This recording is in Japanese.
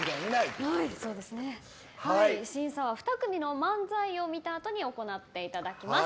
審査は２組の漫才を見た後に行っていただきます。